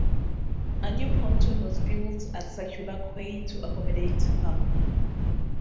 A new pontoon was built at Circular Quay to accommodate her.